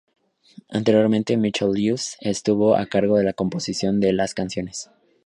Anteriormente, Michelle Lewis estuvo a cargo de la composición de las canciones.